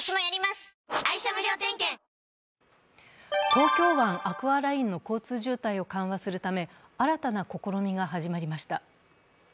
東京湾アクアラインの交通渋滞を緩和するため、新たな試みが始まりました。